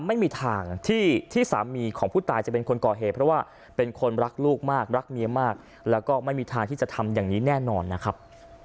ไม่มีทางที่สามีของผู้ตายจะเป็นคนก่อเหตุเพราะว่าเป็นคนรักลูกมากรักเมียมากแล้วก็ไม่มีทางที่จะทำอย่างนี้แน่นอนนะครับ